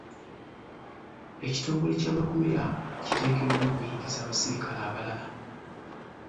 Ekitongole ky'amakomera kiteekeddwa okuyingiza abaserikale abalala.